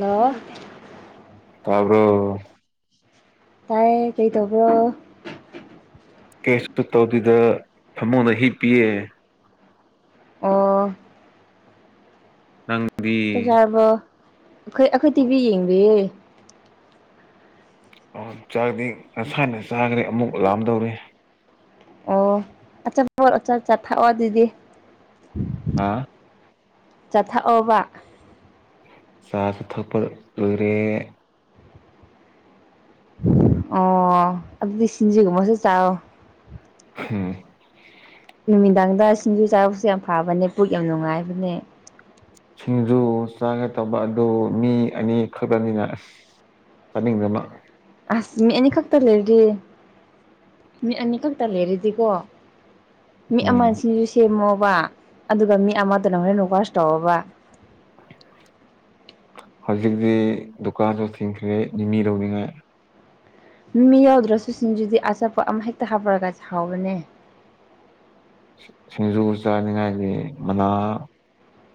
hello ꯇꯕ꯭ꯔꯣ ꯇꯥꯏꯌꯦ ꯀꯩꯗꯧꯕ꯭ꯔꯣ ꯀꯦꯁꯇ ꯇꯧꯗꯗ ꯊꯃꯨꯡꯅ ꯍꯤ ꯄꯤꯌꯦ ꯑꯣ ꯊꯪ ꯆꯖꯥꯔꯕꯣ ꯑꯩꯈ ꯑꯩꯈꯣꯏ ꯇꯤꯚꯤ ꯌꯦꯡꯕꯤ ꯑ ꯆꯥꯛꯗꯤ ꯅꯁꯥꯅ ꯆꯥꯈ꯭ꯔꯦ ꯑꯃꯨꯛ ꯂꯥꯝꯗꯧꯔꯤ ꯑꯣ ꯑꯆꯥꯆꯥ ꯆꯠꯊꯥꯛꯑꯣ ꯑꯗꯨꯗꯤ ꯑ ꯆꯠꯊꯛꯑꯣꯕ ꯆꯊꯥꯄ ꯑꯣꯏꯦ ꯑꯣ ꯑꯗꯨꯗꯤ ꯁꯤꯟꯁꯤꯒꯨꯝꯃꯁꯦ ꯆꯑꯣ ꯍꯝ ꯅꯨꯃꯤꯗꯥꯡꯗ ꯁꯤꯡꯖꯨ ꯆꯥꯔꯥꯎꯁꯨꯦ ꯌꯥꯝ ꯐꯕꯅꯦ ꯄꯨꯛ ꯌꯥꯝ ꯅꯨꯡꯉꯥꯏꯕꯅꯦ ꯁꯤꯡꯖꯨ ꯆꯥꯒ ꯇꯧꯕ ꯑꯗꯨ ꯃꯤ ꯑꯅꯤꯈꯛꯛꯇꯃꯤꯅ ꯆꯅꯤꯡꯗꯃ ꯑꯁ ꯃꯤ ꯑꯅꯤ ꯈꯛꯇ ꯂꯩꯔꯗꯤ ꯃꯤ ꯑꯅꯤ ꯈꯛꯇ ꯂꯩꯔꯗꯤꯀꯣ ꯃꯤ ꯎꯝ ꯑꯃꯁꯤꯁꯨ ꯁꯦꯝꯃꯣꯕ ꯑꯗꯨꯒ ꯃꯤ ꯑꯃꯗꯅ ꯍꯣꯔꯦꯟ ꯀꯁ ꯇꯧꯕ [unintelligible] ꯍꯧꯖꯤꯛꯇꯤ ꯗꯨꯀꯥꯟꯗ ꯊꯤꯡꯈ꯭ꯔꯦ ꯅꯤꯅꯤ ꯂꯧꯅꯤꯉꯥꯏ ꯃꯤ ꯃꯤ ꯌꯥꯎꯗ꯭ꯔꯁꯨ ꯁꯤꯡꯖꯨꯗꯤ ꯑꯆꯥꯄꯣꯠ ꯑꯃ ꯍꯦꯛꯇ ꯍꯥꯞꯄꯔꯒ ꯍꯥꯎꯕꯅꯦ ꯁꯤꯡꯖꯨ ꯆꯥꯅꯤꯡꯉꯥꯏꯒꯤ ꯃꯅꯥ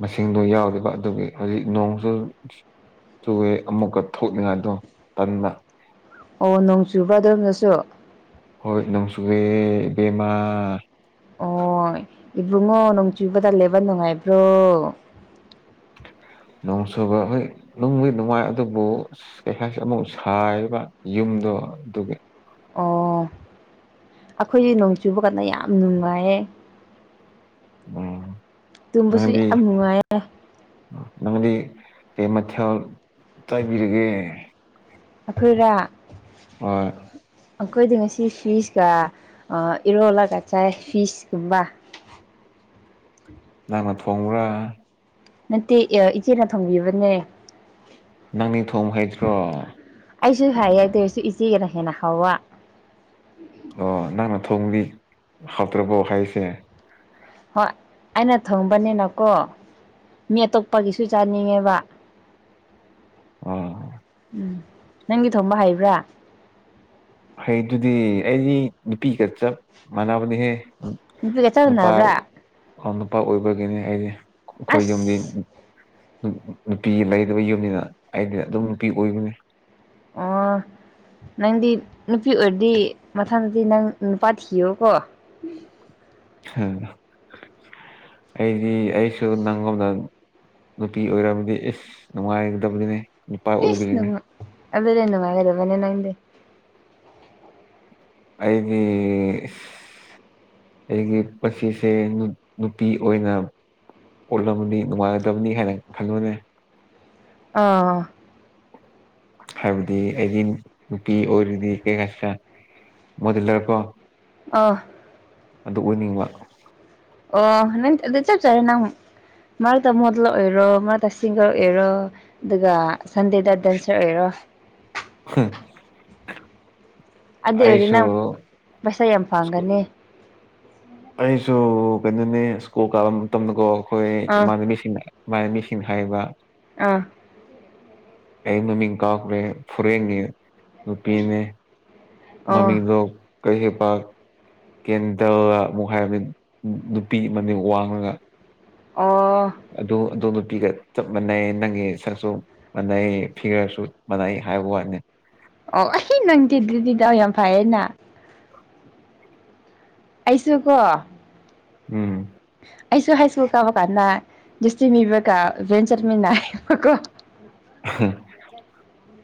ꯃꯁꯤꯡꯗꯣ ꯌꯥꯎꯔꯤꯕ ꯑꯗꯨꯒꯤ ꯍꯧꯖꯤꯛ ꯅꯣꯡꯁꯨ ꯆꯨꯑꯦ ꯑꯃꯨꯛꯀ ꯊꯣꯛꯅꯤꯡꯉꯥꯏꯗꯣ ꯇꯟꯅ ꯑꯣ ꯅꯣꯡ ꯆꯨꯕ ꯑꯗꯨꯣꯝꯅꯁꯨ ꯍꯣꯏ ꯅꯅꯨꯡꯁꯨꯒꯦꯕꯃ ꯑꯣ ꯏꯕ꯭ꯔꯨꯡꯉꯣ ꯅꯣꯡ ꯆꯏꯕ ꯇꯥ ꯂꯩꯦꯕꯥꯟ ꯅꯨꯡꯉꯥꯏ ꯏꯕ꯭ꯔꯣ ꯅꯣꯡꯁꯨꯨꯕ ꯍꯣꯏ ꯅꯨꯡꯕꯨ ꯅꯨꯡꯉꯥꯏ ꯑꯗꯨꯕꯨ ꯀꯩ ꯍꯥꯏꯁꯤ ꯑꯃꯨꯛ ꯁꯥꯏꯌꯦꯕ ꯌꯨꯝ ꯑ ꯑꯗꯨꯒꯤ ꯑꯣ ꯑꯩꯈꯣꯏꯗꯤ ꯅꯣꯡ ꯆꯨꯕ ꯀꯥꯟꯗ ꯌꯥꯝ ꯅꯨꯡꯉꯥꯏꯌꯦ ꯎꯝ ꯇꯨꯝꯕꯁꯨ ꯅꯪꯗꯤ ꯌꯥꯝ ꯅꯨꯡꯉꯥꯏꯌꯦ ꯅꯪꯗꯤ ꯀꯩ ꯃꯈꯦꯜ ꯆꯥꯕꯤꯔꯒꯦ ꯑꯩꯈꯣꯏꯔ ꯑ ꯑꯩꯈꯣꯏꯗꯤ ꯉꯁꯤ ꯐꯤꯁꯀ ꯏꯔꯣꯜꯂꯒ ꯆꯥꯏ ꯐꯤꯁꯀꯨꯝꯕ [inaudible] ꯅꯪꯅ ꯊꯣꯡꯕ꯭ꯔꯥ ꯅꯠꯇꯦ ꯏꯆꯦꯅ ꯊꯣꯡꯕꯤꯕꯅꯦ ꯅꯪ ꯅꯤꯡꯊꯣꯡ ꯍꯩꯇꯔꯣ ꯑꯩꯁꯨ ꯍꯩꯌꯦ ꯗꯧꯔꯁꯨ ꯏꯆꯦꯒꯅ ꯍꯦꯟꯅ ꯍꯥꯎꯕ ꯑꯣ ꯅꯪꯅ ꯊꯣꯡꯗꯤ ꯍꯥꯎꯇ꯭ꯔꯕꯣ ꯍꯥꯏꯁꯦ ꯍꯣꯏ ꯑꯩꯅ ꯊꯣꯡꯕꯅꯤꯅꯀꯣ ꯃꯤ ꯑꯇꯣꯞꯄꯒꯤꯁꯨ ꯆꯥꯅꯤꯡꯉꯦꯕ ꯑꯣ ꯎꯝ ꯅꯪꯒꯤ ꯊꯣꯝꯕ ꯍꯩꯕ꯭ꯔꯥ ꯍꯩ ꯗꯨꯗꯤ ꯑꯩꯗꯤ ꯅꯨꯄꯤꯒ ꯆꯞ ꯃꯥꯟꯅꯕꯅꯤꯍꯦ ꯅꯨꯄꯤꯒ ꯆꯞ ꯃꯥꯟꯅꯕꯔꯥ [unintelligible] ꯑꯩ ꯅꯨꯄꯥ ꯑꯣꯏꯕꯒꯤꯅꯤ ꯑꯩꯗꯤ ꯑꯩꯈꯣꯏ ꯌꯨꯝꯗꯤ ꯑꯁ ꯅꯨꯄꯤ ꯂꯩꯇꯕ ꯌꯨꯝꯅꯤꯅ ꯑꯩꯗꯤ ꯑꯗꯨꯝ ꯅꯨꯄꯤ ꯑꯣꯏꯕꯅꯤ ꯑꯣ ꯅꯪꯗꯤ ꯅꯨꯄꯤ ꯑꯣꯏꯗꯤ ꯃꯊꯪꯗꯗꯤ ꯅꯪ ꯅꯨꯄꯥ ꯊꯤꯌꯣꯀꯣ ꯎꯝ [unintelligible] [inaudible] ꯎ ꯑꯩꯗꯤ ꯑꯩꯁꯨ ꯅꯪꯉꯣꯟꯗ ꯅꯨꯄꯤ ꯑꯣꯏꯔꯕꯗꯤ ꯏꯁ ꯅꯨꯡꯉꯥꯏꯗꯕꯗꯤꯅꯦ ꯅꯨꯄꯥ ꯑꯣꯏꯕꯗꯤꯅꯦ [unintelligible] ꯏꯁ ꯑꯗꯨꯗꯤ ꯅꯨꯪꯉꯥꯏꯔꯦꯅꯦ ꯅꯪꯗꯤ [unintelligible] ꯑꯩꯗꯤ ꯑꯩꯒꯤ ꯄꯨꯟꯁꯤꯁꯦ ꯅꯨ ꯅꯨꯄꯤ ꯑꯣꯏꯅ ꯑꯣꯠꯂꯝꯃꯅꯤ ꯅꯨꯡꯉꯥꯏꯗꯕꯅꯤꯍꯦ ꯈꯜꯂꯨꯅꯦ ꯑꯥ ꯍꯥꯏꯕꯗꯤ ꯑꯩꯗꯤ ꯅꯨꯄꯤ ꯑꯣꯏꯔꯗꯤ ꯀꯩꯀ [unintelligible] ꯃꯣꯗꯦꯂꯔꯀꯣ [unintelligible] ꯑ ꯑꯗꯨ ꯑꯣꯏꯅꯤꯡꯕ ꯑꯣ ꯅꯪ ꯑꯗꯨ ꯆꯞ ꯆꯔꯦ ꯅꯪ ꯃꯔꯛꯇ ꯃꯣꯗꯂꯔ ꯑꯣꯏꯔꯣ ꯃꯔꯛꯇ ꯁꯤꯡꯒꯔ ꯑꯣꯏꯔꯣ ꯑꯗꯨꯒ ꯁꯟꯗꯦꯗ ꯗꯥꯟꯁꯔ ꯑꯣꯏꯔꯣ [inaudible] ꯍꯪ [unintelligible] ꯑꯗꯨ ꯑꯣꯏꯔꯗꯤ ꯅꯪ ꯄꯩꯁꯥ ꯌꯥꯝ ꯁ꯭ꯀꯨ ꯐꯪꯒꯅꯤ ꯑꯩꯁꯨ ꯀꯩꯅꯣꯅꯦ ꯁ꯭ꯀꯨꯜ ꯀꯥꯕ ꯃꯇꯝꯗꯀꯣ ꯑꯩꯈꯣꯏ ꯑꯥ ꯏꯃꯥꯟꯅꯕꯤꯁꯤꯡꯅ ꯃꯥꯥꯏ ꯃꯤꯁꯤꯡ ꯍꯥꯏꯕ ꯑꯥ ꯑꯩ ꯃꯃꯤꯡ ꯀꯥꯎꯈ꯭ꯔꯦ ꯐꯨꯔꯦꯟꯒꯤ ꯅꯨꯄꯤꯅꯦ ꯑꯣ ꯃꯃꯤꯡꯗꯣ ꯀꯩ ꯍꯩꯄ ꯀꯦꯟꯗꯜꯂ [unintelligible] ꯑꯃꯨꯛ ꯍꯥꯏꯕ ꯅꯨꯄꯤ ꯃꯃꯤꯡ ꯋꯥꯡꯉꯒ ꯑꯣ ꯑꯗꯣ ꯑꯗꯣ ꯄꯤꯒ ꯆꯞ ꯃꯥꯟꯅꯩ ꯅꯪꯒꯤ ꯁꯛꯁꯨ ꯃꯥꯟꯅꯩ ꯐꯤꯒꯔꯁꯨ ꯃꯥꯟꯅꯩ ꯍꯥꯏꯕ ꯋꯥꯅꯤ ꯑꯣ ꯑꯩ ꯅꯪꯒꯤꯗꯨꯗꯤ ꯗꯥꯎ ꯌꯥꯝ ꯐꯩꯌꯦꯅ ꯑꯩꯁꯨ ꯀꯣ ꯎꯝ ꯑꯩꯁꯨ ꯍꯥꯏꯁ꯭ꯀꯨꯜ ꯀꯕ ꯀꯥꯟꯅ ꯁꯇꯤ ꯃꯤꯕꯒ ꯚꯦꯟ ꯆꯠꯃꯤꯟꯅꯕꯀꯣ [inaudible]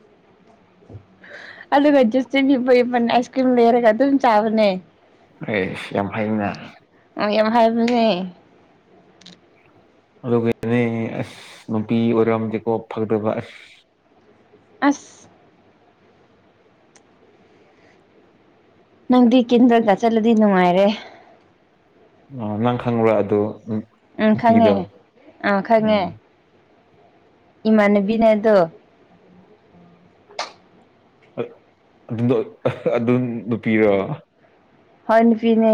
ꯑꯗꯨꯒꯁ ꯑꯥꯏꯁ ꯀ꯭ꯔꯤꯝ ꯂꯩꯔꯒ ꯑꯗꯨꯝ ꯆꯥꯕꯅꯦ ꯑꯦ ꯁꯤ ꯌꯥꯝꯐꯩꯅ ꯑ ꯌꯥꯝ ꯍꯥꯏꯕꯅꯦ ꯑꯗꯨꯒꯅꯦ ꯑꯁ ꯅꯨꯄꯤ ꯑꯣꯏꯔꯝꯗꯦꯀꯣ ꯐꯪꯗꯕ ꯑꯁ ꯑꯁ ꯅꯪꯗꯤ ꯀꯦꯟꯤꯟꯗ꯭ꯔꯒ ꯆꯠꯂꯗꯤ ꯅꯨꯡꯉꯥꯏꯔꯦ ꯑ ꯅꯪ ꯈꯪꯕ꯭ꯔꯥ ꯑꯗꯨ ꯎꯝ ꯈꯪꯉꯦ ꯅꯨꯄꯤꯗꯣ ꯎꯝ ꯏꯅꯕꯤꯅꯦꯗꯣ ꯑꯗꯨ ꯑꯗꯨꯝ ꯅꯨ ꯄꯤꯔꯑꯣ ꯍꯟꯄꯤꯅꯦ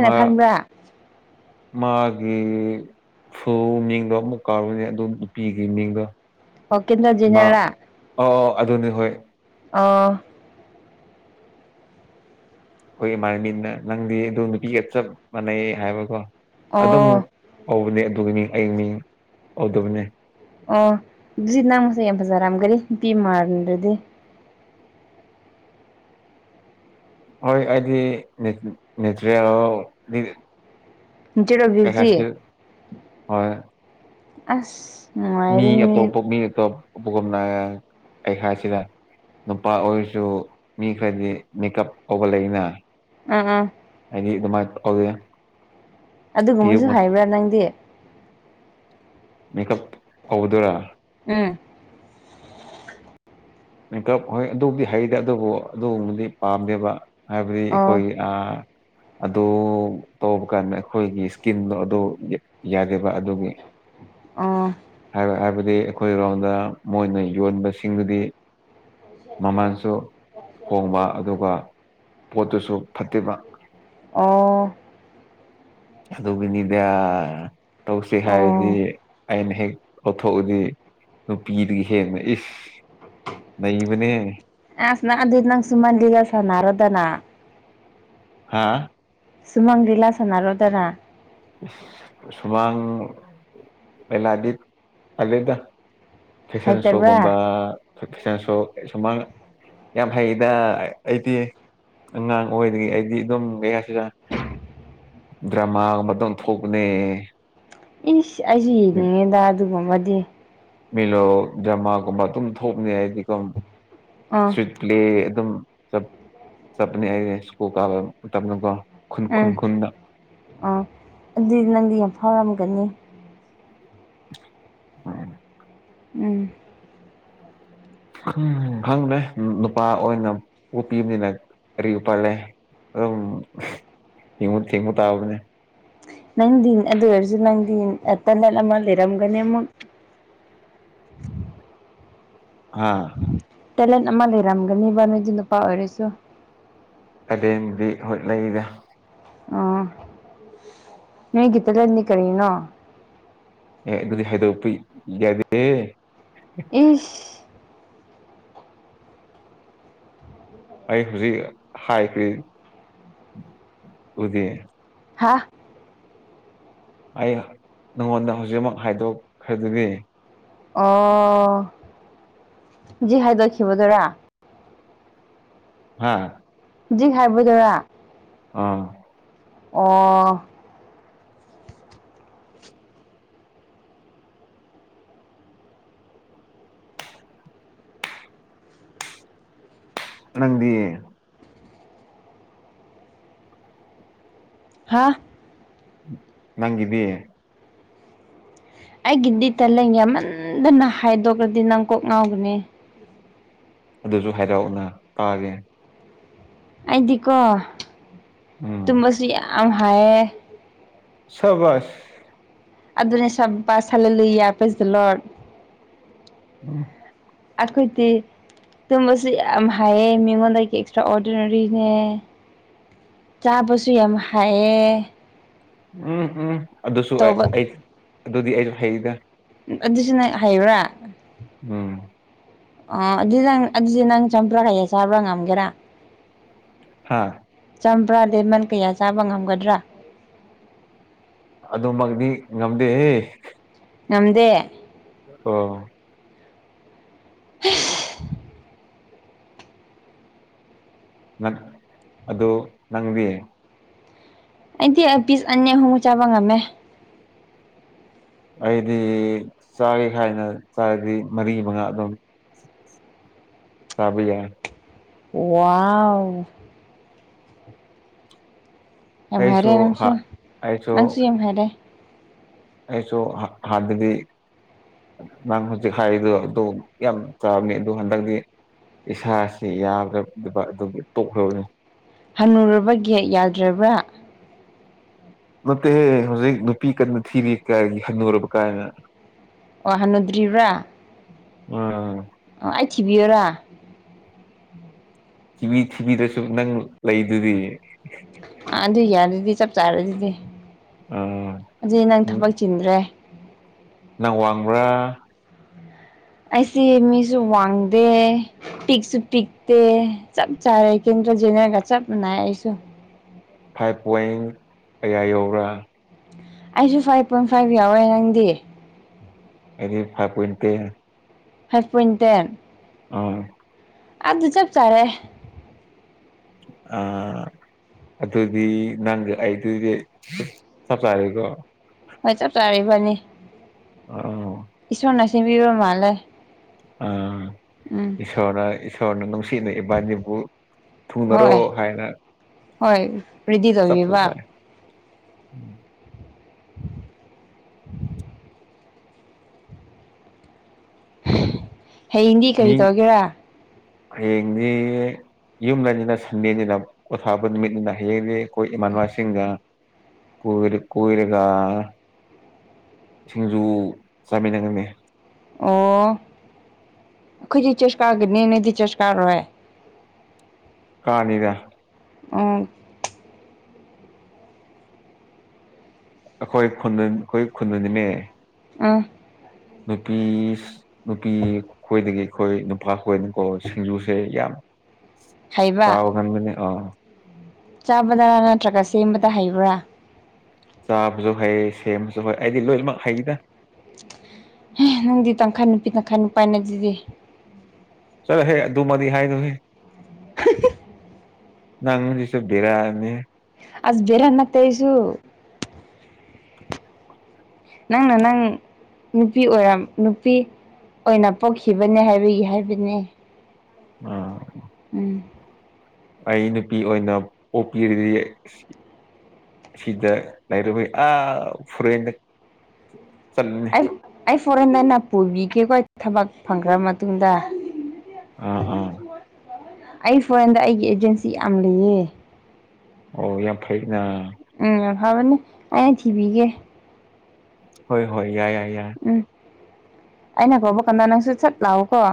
ꯃꯥ ꯈꯟꯕ꯭ꯔꯥ ꯃꯥꯒꯤ ꯐꯨ ꯃꯤꯡꯗꯣ ꯑꯃꯨꯛ ꯀꯥꯔꯨꯅꯦ ꯑꯗꯨ ꯅꯨꯄꯤꯒꯤ ꯃꯤꯡꯗꯣ ꯑꯣꯀ ꯃꯥ ꯇꯣꯖꯤꯅꯂ ꯑꯣ ꯑꯣ ꯑꯗꯨꯅꯤ ꯍꯣꯏ ꯑꯥ ꯑꯩꯈꯣꯏ ꯏꯃꯥꯟꯅꯤꯅ ꯅꯪꯗꯤ ꯑꯗꯨ ꯅꯨꯄꯤꯒ ꯆꯞ ꯃꯥꯟꯅꯩ ꯍꯥꯏꯕꯀꯣ ꯑꯗꯨꯝꯛ ꯑꯣ ꯍꯧꯕꯅꯦ ꯑꯗꯨꯒꯤ ꯃꯤ ꯑꯩꯌꯦꯡ ꯃꯤꯡ ꯍꯧꯗꯕꯅꯦ ꯑꯣ ꯁꯤ ꯅꯪ ꯃꯁ ꯌꯥ ꯐꯖꯖꯔꯝ ꯀꯔꯤ ꯅꯨꯄꯤ ꯃꯥꯜꯂꯥꯗꯤ ꯍꯣꯏ ꯑꯩꯗꯤ ꯅꯦꯇ꯭ꯔ ꯅꯦꯆꯔ ꯑꯣꯐ ꯍꯣꯏ ꯕ꯭ꯌꯨꯇꯤ ꯍꯣꯏ ꯑꯁ ꯃꯤ ꯅꯨꯡꯉꯥꯏꯔꯦꯅꯦ ꯑꯇꯣꯞꯄ ꯃꯤ ꯑꯇꯣꯞꯄꯒꯨꯝꯅ ꯑꯩ ꯍꯥꯏꯁꯤꯔ ꯅꯨꯄꯥ ꯑꯣꯏꯔꯁꯨ ꯃꯤ ꯈꯔꯗꯤ ꯃꯦꯀꯞ ꯀꯧꯕꯧꯕ ꯂꯩꯅ ꯑ ꯑꯥ ꯏꯅꯤ ꯏ ꯑꯗꯨ ꯃꯥꯗꯦ ꯑꯗꯨꯒꯨꯝꯕꯁꯨ ꯍꯥꯏꯕ꯭ꯔꯥ ꯅꯪꯗꯤ ꯃꯦꯀꯞ ꯐꯗꯣꯏꯔꯥ ꯎꯝ ꯀꯞ ꯍꯣꯏ ꯑꯗꯨꯕꯨꯗꯤ ꯍꯩꯗꯦ ꯑꯗꯨꯕꯨ ꯑꯗꯨꯒꯨꯝꯕꯗꯤ ꯄꯥꯝꯗꯦꯕ ꯍꯥꯏꯕꯗꯤ ꯑꯣ ꯑꯩꯈꯣꯏꯒꯤ ꯑꯗꯨ ꯇꯧꯕ ꯀꯥꯟꯗ ꯑꯩꯈꯣꯏꯒꯤ ꯏꯁꯀꯤꯟꯗꯣ ꯑꯗꯨ ꯌꯥꯗꯦꯕ ꯑꯗꯨꯒꯤ ꯑ ꯑꯗꯨꯗꯤ ꯑꯩꯈꯣꯏ ꯔꯒꯥꯎꯟꯗ ꯃꯣꯏꯅ ꯌꯣꯟꯕꯁꯤꯡꯗꯨꯗꯤ ꯃꯃꯜꯁꯨ ꯍꯣꯡꯕ ꯑꯗꯨꯒ ꯄꯣꯠꯇꯨꯁꯨ ꯐꯠꯇꯦꯕ ꯑꯣ ꯑꯗꯨꯒꯤꯅꯤꯗ ꯇꯧꯁꯤ ꯍꯥꯏꯔꯗꯤ ꯑꯣ ꯑꯩꯅ ꯍꯦꯛ ꯄꯣꯠꯊꯣꯛꯑꯗꯤ ꯅꯨꯄꯤꯗꯨꯒꯤ ꯍꯦꯟꯅ ꯏꯁ ꯅꯩꯕꯅꯦ ꯑꯁꯅꯗꯗ ꯅꯪ ꯁꯨꯃꯟ ꯂꯤꯒ ꯁꯅꯔꯗꯅꯥ ꯍꯥꯥ ꯁꯨꯃꯥꯡ ꯂꯤꯂꯥꯁꯅꯔꯣ ꯇꯔꯥ ꯁꯨꯃꯥꯡ ꯃꯂꯗꯤ ꯑꯂꯦꯗ ꯐꯦꯁꯟ ꯁꯣꯒꯨꯝꯕ ꯍꯩꯇꯕ꯭ꯔꯥ ꯐꯟꯁꯨ ꯁꯨꯃꯥꯡ ꯌꯥꯝ ꯍꯩꯗ ꯑꯩꯗꯤ ꯑꯉꯥꯡ ꯑꯣꯏꯗꯒꯤ ꯑꯩꯗꯤ ꯑꯗꯨꯝ ꯀꯌꯥꯁꯤꯗ ꯗ꯭ꯔꯃꯥꯒꯨꯝꯕ ꯂꯣꯟ ꯊꯣꯛꯄꯅꯦ ꯏꯁ ꯑꯩꯁꯨ ꯌꯦꯡꯅꯤꯡꯉꯤꯗ ꯑꯗꯨꯒꯨꯝꯕꯗꯤ ꯃꯤꯂꯣ ꯖꯃꯥꯒꯨꯝꯕ ꯑꯗꯨꯝ ꯊꯣꯛꯅꯤ ꯍꯥꯏꯗꯤꯒꯝ ꯑꯥ ꯁꯋꯤꯠ ꯄ꯭ꯂꯦ ꯑꯗꯨꯝ ꯆꯞ ꯆꯞꯅꯤ ꯍꯥꯏ ꯁ꯭ꯀꯨ ꯀꯥꯕ ꯃꯇꯝꯀꯣ ꯎꯝ ꯑ ꯑꯗꯨ ꯅꯪꯗꯤ ꯌꯥꯝ ꯐꯥꯎꯔꯝꯒꯅꯤ ꯍ ꯎꯝ ꯎ ꯈꯪꯗꯦ ꯅꯨꯄꯥ ꯑꯣꯏꯅ ꯎꯄꯤꯤꯕꯅꯤꯅ ꯀꯔꯤ ꯎꯨꯄꯥꯜ ꯂꯩ ꯑꯗꯨꯝ ꯊꯦꯡꯉꯨ ꯊꯦꯡꯉꯨ ꯇꯥꯕꯅꯦ ꯅꯪꯗꯤꯤꯟ ꯑꯗꯨ ꯑꯔꯖꯨ ꯅꯪꯗꯤ ꯇ ꯂꯠꯃ ꯂꯩꯔꯝꯒꯅꯦ ꯑꯃꯨꯛ [unintelligible] ꯍꯥꯥ ꯇꯦꯂꯦꯟ ꯑꯃ ꯂꯩꯔꯝꯒꯅꯤ ꯕ ꯅꯣꯏꯗꯤ ꯅꯨꯄꯥ ꯑꯣꯏꯔꯁꯨ ꯀꯗꯗꯤ ꯍꯣꯠꯅꯩꯒ ꯑꯝ ꯃꯤ ꯒꯤꯇ ꯂꯩꯦꯟꯅꯤ ꯀꯔꯤꯅ ꯑꯦ ꯑꯗꯨꯗꯤ ꯍꯥꯏꯗꯣꯛꯄ ꯌꯥꯗꯦ ꯏꯁ ꯑꯩ ꯍꯧꯖꯤꯛ ꯍꯥꯏꯈ꯭ꯔꯤ ꯎꯗꯤ ꯍꯥꯥ ꯑꯩ ꯅꯪꯉꯣꯟꯗ ꯍꯧꯖꯤꯛꯃꯛ ꯍꯥꯏꯗꯣꯛꯈ꯭ꯔꯗꯨꯗꯤ ꯑꯣ ꯖꯤ ꯍꯥꯏꯗꯈꯈꯤꯕꯗꯔ ꯍꯥꯥ ꯍꯧꯖꯤꯛ ꯍꯥꯏꯕꯗꯔꯥ ꯑꯥ ꯑꯣ ꯅꯪꯗꯤ ꯍꯥ ꯅꯪꯕꯤ ꯑꯩꯒꯤꯗꯤꯇꯂ ꯌꯥꯝꯃꯟꯗꯅ ꯍꯥꯏꯗꯣꯛꯈ꯭ꯔꯗꯤ ꯅꯪ ꯀꯣꯛ ꯉꯥꯎꯒꯅꯤ ꯑꯗꯨꯁꯨ ꯍꯥꯏꯔꯛꯑꯅ ꯇꯥꯒꯦ ꯑꯩꯗꯤꯀꯣ ꯎꯝ ꯇꯨꯝꯃꯁꯨ ꯌꯥꯝ ꯍꯥꯏꯌꯦ ꯁꯕꯁ ꯑꯗꯨꯅꯤ ꯁꯕ ꯆꯂ ꯂꯩꯨꯌꯥ ꯄꯦꯖꯂꯠ ꯎꯝ ꯑꯈꯣꯏꯗꯤ ꯇꯨꯝꯕꯁꯨ ꯌꯥꯝ ꯍꯥꯏꯌꯦ ꯃꯤꯉꯣꯟꯗꯒꯤ ꯑꯦꯛꯁꯇ꯭ꯔꯥ ꯑꯣꯔꯗꯤꯅꯔꯤꯅꯦ ꯆꯥꯕꯁꯨ ꯌꯥꯝ ꯍꯥꯏꯌꯦ ꯎꯝ ꯎꯝ ꯑꯗꯨꯁꯨ ꯇꯧꯕ ꯑꯗꯨꯗꯤ ꯑꯩ ꯍꯩꯗ ꯑꯗꯨꯁꯨ ꯅꯪ ꯍꯥꯏꯕ꯭ꯔꯥ ꯑꯝ ꯑ ꯑꯗꯨ ꯅꯪ ꯑꯗꯨꯗꯤ ꯅꯪ ꯆꯝꯄ꯭ꯔꯥ ꯀꯩꯌꯥ ꯆꯥꯕ꯭ꯔꯥ ꯉꯝꯒꯦꯔꯥ ꯍꯥꯥ ꯆꯝꯕ꯭ꯔꯥ ꯂꯦꯃꯟ ꯀꯌꯥ ꯆꯥꯕ ꯉꯝꯒꯗ꯭ꯔꯥ ꯑꯗꯨꯃꯗꯤ ꯉꯝꯗꯦ ꯅꯝꯗꯦ ꯑꯣ [inaudible] [unintelligible] ꯅꯪ ꯑꯣ ꯅꯪꯗꯤ ꯑꯩꯗꯤ ꯄꯤꯁ ꯑꯅꯤ ꯑꯍꯨꯝ ꯆꯥꯕ ꯉꯝꯃꯦ ꯑꯩꯗꯤ ꯆꯥꯒꯦ ꯍꯥꯏꯥꯏꯅ ꯆꯥꯔꯗꯤ ꯃꯔꯤ ꯃꯉꯥ ꯑꯗꯨꯝ ꯁꯕ ꯌꯥ ꯋꯥꯎ ꯌꯥꯝ ꯍꯥꯏꯔꯦ ꯑꯩꯁꯨ ꯅꯪꯁꯨ ꯍꯥ ꯑꯩꯁꯨ ꯅꯪꯁꯨ ꯌꯥꯝ ꯍꯥꯏꯔꯦ ꯑꯩꯁꯨ ꯍꯥꯗꯕꯤ ꯅꯪ ꯍꯧꯖꯤꯛ ꯍꯥꯏꯔꯤꯗꯨꯣ ꯑꯗꯨ ꯌꯥꯝ ꯆꯥꯕꯅꯤ ꯑꯗꯨ ꯍꯟꯗꯛꯇꯤ ꯏꯁꯥꯁꯤ ꯌꯥꯗꯕ ꯑꯗꯨꯝ ꯇꯣꯛꯂꯕꯅꯤ ꯍꯟꯅꯨꯔꯕ ꯒꯌꯥꯠ ꯌꯥꯗ꯭ꯔꯕ꯭ꯔꯥ ꯃꯦ ꯍꯧꯖꯤꯛ ꯅꯨꯄꯤ ꯀꯟꯅꯅ ꯊꯤꯔꯤ ꯀꯥꯏꯒꯤ ꯍꯅꯔꯕ ꯀꯥꯏꯅ ꯋꯥ ꯍꯅꯨꯗ꯭ꯔꯤꯔꯤꯕ꯭ꯔꯥ ꯑꯣꯝ ꯑ ꯑꯩ ꯊꯤꯕꯤꯌꯔꯥ ꯊꯤꯕꯤ ꯊꯤꯕꯤꯗꯁꯨ ꯅꯪ ꯂꯩꯗꯨꯗꯤ ꯑꯥ ꯑꯗꯨ ꯌꯥꯔ ꯑꯗꯨꯗꯤ ꯆꯞ ꯆꯥꯔ ꯑꯗꯨꯗꯤ ꯑꯥ ꯑꯗꯨꯗꯤ ꯅꯪ ꯊꯕꯛ ꯆꯤꯟꯗ꯭ꯔꯦ ꯅꯪ ꯋꯥꯡꯕ꯭ꯔꯥ ꯑꯩꯁꯤꯦ ꯃꯤꯁꯨ ꯋꯥꯡꯗꯦ ꯄꯤꯛꯁꯨ ꯄꯤꯛꯇ ꯆ ꯆꯥꯔꯦ ꯀ ꯖꯤꯅꯦꯒ ꯆ ꯁꯨ ꯐꯥꯏꯚ ꯄꯣꯏꯟ ꯀꯌꯥ ꯌꯧꯕ꯭ꯔꯥ ꯑꯩꯁꯨ ꯐꯥꯏꯚ ꯄꯣꯏꯟ ꯐꯥꯏꯚ ꯌꯥꯎꯋꯦ ꯅꯪꯗꯤ ꯑꯗꯨꯗꯤ ꯐꯥꯟꯇ ꯐꯥꯏꯚ ꯄꯣꯏꯟ ꯇꯦꯟ ꯎꯝ ꯑꯗꯨ ꯆꯞ ꯆꯥꯔꯦ ꯑꯥ ꯑꯗꯨꯗꯤ ꯅꯪ ꯑꯩꯗꯨꯗꯤ ꯆꯞ ꯆꯥꯔꯀꯣ ꯍꯣꯏ ꯆꯞ ꯆꯥ ꯐꯅꯤ ꯑ ꯁꯤꯕꯤꯕ ꯃꯥ ꯂꯩꯦ ꯑꯣꯔꯁꯣꯔꯅ ꯁꯤꯅ ꯏꯕꯥꯅꯤꯕꯨ ꯊꯨꯡꯅꯔꯣ ꯍꯣꯏ ꯍꯥꯏꯅ ꯍꯣꯏ ꯔꯤꯗꯤ ꯇꯧꯕꯤꯕ ꯎꯝ ꯍꯌꯦꯡꯗꯤ ꯀꯔꯤ ꯇꯧꯒꯦꯔꯥ ꯌꯦꯗꯤ ꯌꯨꯝꯗꯅꯤꯅ ꯁꯟꯗ‌ꯦꯅꯤꯅ ꯄ‌ꯣꯊꯥꯕ ꯅꯨꯃꯤꯠꯅꯤꯅ ꯍꯌꯦꯡꯦꯗꯤ ꯑꯩꯈꯣꯏ ꯏꯃꯥꯟꯅꯕꯁꯤꯡꯒ ꯀ‌ꯣꯏꯔ ꯀ‌ꯣꯏꯔꯒ ꯁꯤꯡꯖꯨ ꯆꯥꯃꯤꯟꯅꯒꯅꯤ ꯑꯣ ꯑꯣꯈꯣꯏꯗꯤ ꯆꯥ꯭ꫪꯁꯀꯥꯒꯤꯅꯤ ꯅ‌ꯣꯏꯗꯤ ꯆꯥ꯭ꫪꯁ ꯀꯥꯔꯔꯣꯏ ꯀꯥꯅꯤꯗ ꯑꯣ ꯑꯩꯈꯣꯏ ꯈꯨꯟꯗ ꯑꯩꯈꯣꯏ ꯈꯨꯟꯗꯅꯤꯅꯦ ꯑꯥ ꯅꯨꯄꯤ ꯅꯨꯄꯤ ꯈꯣꯏꯗꯒꯤ ꯑꯩꯈꯣꯏ ꯅꯨꯄꯥ ꯈꯣꯏꯅ ꯀꯣ ꯁꯤꯡꯖꯨꯁꯦ ꯌꯥꯝ ꯍꯩꯕ ꯆꯥꯕ ꯀꯟꯕꯅꯤ ꯑꯥ ꯆꯥꯕꯗ ꯅꯠꯇ꯭ꯔꯒ ꯁꯦꯝꯕꯗ ꯍꯩꯕ꯭ꯔꯥ ꯆꯥꯕꯁꯨ ꯍꯩ ꯁꯦꯝꯕꯁꯨ ꯍꯩ ꯑꯩꯗꯤ ꯂꯣꯏꯅꯃꯛ ꯍꯩꯗ ꯅꯪꯗꯤ ꯇꯪꯈꯥꯏ ꯅꯨꯄꯤ ꯇꯪꯈꯥꯏ ꯅꯨꯄꯥꯥꯅ‌ꯦ ꯑꯗꯨꯗꯤ ꯆꯠꯂꯣꯍꯦ ꯑꯗꯨꯃꯗꯤ ꯍꯥꯏꯅꯨꯍ‌ꯦ ꯍꯥꯍꯥ ꯅꯪꯁꯤꯁꯨ ꯕꯤꯔꯥꯅꯤ ꯑꯁ ꯕ‌ꯦꯔꯥ ꯅꯠꯇ‌ꯦ ꯑꯩꯁꯨ ꯅꯪꯅ ꯅꯪ ꯅꯨꯄꯤ ꯑꯣꯏꯔ ꯅꯨꯄꯤ ꯑꯣꯏꯅ ꯄꯣꯛꯈꯤꯕꯅꯦ ꯍꯥꯏꯕꯒꯤ ꯍꯥꯏꯕꯅꯦ ꯑꯥ ꯎꯝ ꯑꯩ ꯅꯨꯄꯤ ꯑꯣꯏꯅ ꯄꯣꯛꯄꯤꯔꯤꯗꯤ ꯁꯤꯗ ꯂꯩꯔꯥꯔ‌ꯣꯏ ꯑꯥ ꯐ‌ꯣꯔ‌ꯦꯟꯗꯥ ꯑꯩ ꯑꯩ ꯐꯣꯔꯦꯟꯗ ꯅꯪꯅ ꯄꯨꯕꯤꯒꯦꯀꯣ ꯊꯕꯛ ꯐꯪꯈ꯭ꯔ ꯃꯇꯨꯡꯗ ꯑ ꯎꯝ ꯑꯩ ꯐꯣꯔ‌ꯦꯟꯗ ꯑꯩꯒꯤ ꯑꯦꯖꯦꯟꯁꯤ ꯌꯥꯝ ꯂꯩꯌꯦ ꯑꯣ ꯌꯥꯝ ꯐꯩꯅ ꯐꯥꯕꯅꯦ ꯑꯩꯅꯥ ꯊꯤ ꯕꯤꯒꯦ ꯍꯣꯏ ꯍꯣꯏ ꯌꯥꯏ ꯌꯥꯏ ꯌꯥꯏ ꯎꯝ ꯑꯩꯅ ꯀꯧꯕ ꯀꯥꯟꯗ ꯅꯪꯁꯨ ꯆꯠ ꯂꯥꯛꯑꯣꯀꯣ